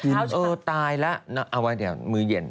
เออตายแล้วเอาไว้เดี๋ยวมือเย็น